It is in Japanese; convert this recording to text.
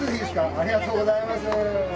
ありがとうございます。